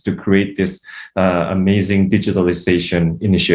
untuk membuat inisiatif digitalisasi yang luar biasa